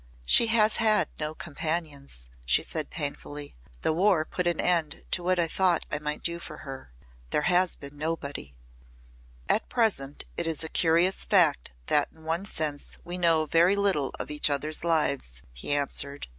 "She has had no companions," she said painfully. "The War put an end to what I thought I might do for her. There has been nobody." "At present it is a curious fact that in one sense we know very little of each other's lives," he answered.